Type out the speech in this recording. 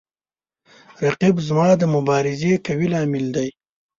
رقیب زما د مبارزې قوي لامل دی